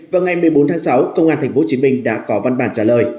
vào ngày một mươi bốn tháng sáu công an tp hcm đã có văn bản trả lời